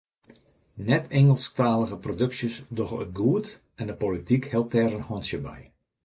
Net-Ingelsktalige produksjes dogge it goed en de polityk helpt dêr in hantsje by.